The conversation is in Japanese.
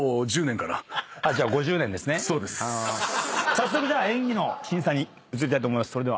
早速じゃあ演技の審査に移りたいと思います。